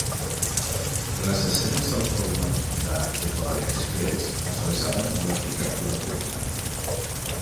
Les escenes al Pol Nord de "The Polar Express" es basaven en l'arquitectura Pullman.